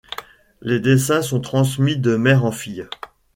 Les dessins sont transmis de mère en fille.